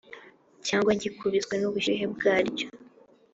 cyangwa gikubiswe n’ubushyuhe bwaryo.